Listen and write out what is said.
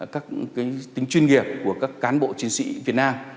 các tính chuyên nghiệp của các cán bộ chiến sĩ việt nam